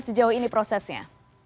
sejauh ini prosesnya